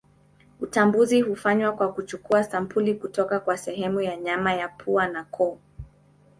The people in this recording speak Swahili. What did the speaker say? Utambuzi hufanywa kwa kuchukua sampuli kutoka kwa sehemu ya nyuma ya pua na koo.